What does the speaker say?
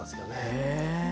へえ！